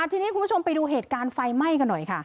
ทีนี้คุณผู้ชมไปดูเหตุการณ์ไฟไหม้กันหน่อยค่ะ